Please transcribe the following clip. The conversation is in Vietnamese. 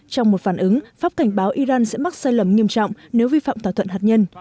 trong một phản ứng pháp cảnh báo iran sẽ mắc sai lầm nghiêm trọng nếu vi phạm thỏa thuận hạt nhân